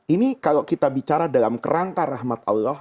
ini kalau kita bicara dalam kerangka rahmat allah